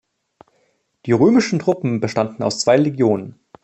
Die römischen Truppen bestanden aus zwei Legionen.